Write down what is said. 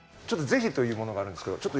ちょっとぜひというものがあるんですけど。